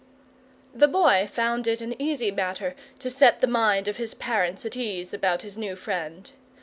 The Boy found it an easy matter to set the mind of his parents' at ease about his new friend.